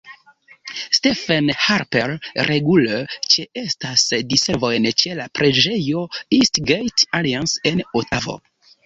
Stephen Harper regule ĉeestas diservojn ĉe la preĝejo East Gate Alliance en Otavo.